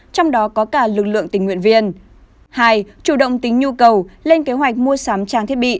trong đó có cả lực lượng tình nguyện viên hai chủ động tính nhu cầu lên kế hoạch mua sắm trang thiết bị